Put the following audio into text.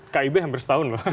kib hampir setahun loh